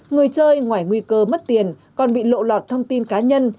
người chơi ngoài nguy cơ mất tiền còn bị lộ lọt thông tin cá nhân